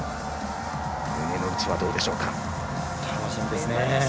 胸の内はどうでしょうか。